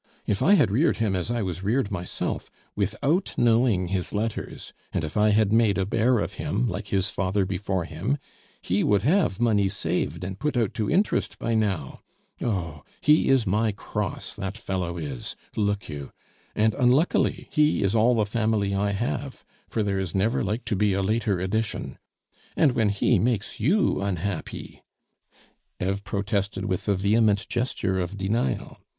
If I had reared him, as I was reared myself, without knowing his letters, and if I had made a 'bear' of him, like his father before him, he would have money saved and put out to interest by now. ... Oh! he is my cross, that fellow is, look you! And, unluckily, he is all the family I have, for there is never like to be a later edition. And when he makes you unhappy " Eve protested with a vehement gesture of denial.